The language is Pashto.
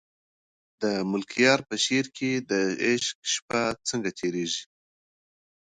د ملکیار په شعر کې د عشق شپه څنګه تېرېږي؟